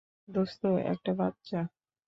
দোস্ত, একটা বাচ্চা!